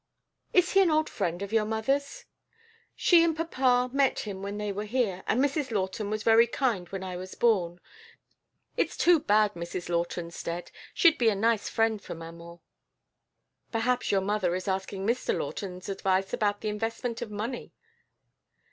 "Is he an old friend of your mother's?" "She and Papa met him when they were here, and Mrs. Lawton was very kind when I was born. It's too bad Mrs. Lawton's dead. She'd be a nice friend for maman." "Perhaps your mother is asking Mr. Lawton's advice about the investment of money."